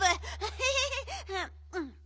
ヘヘヘヘ。